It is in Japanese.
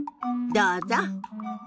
どうぞ。